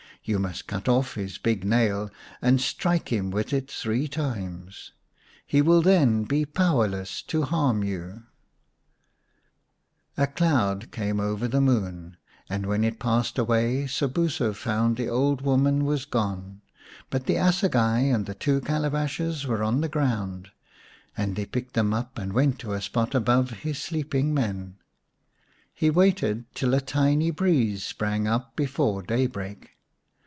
You must cut off his big nail, and strike him with it three times ; he will then be powerless to harm you." 184 xv The Story of Semai mai A cloud came over the moon, and when it passed away Sobuso found the old woman was gone. But the assegai and two calabashes were on the ground, and he picked them up and went to a spot above his sleeping men. He waited till a tiny breeze sprang up before daybreak.